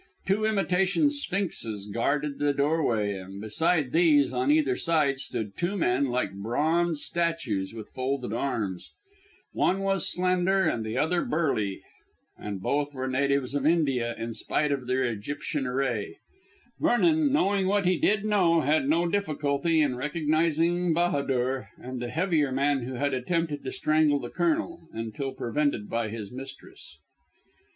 Two imitation sphinxes guarded the doorway, and beside these on either side stood two men like bronze statues with folded arms. One was slender and the other burly, and both were natives of India in spite of their ancient Egyptian array. Vernon, knowing what he did know, had no difficulty in recognising Bahadur and the heavier man who had attempted to strangle the Colonel, until prevented by his mistress.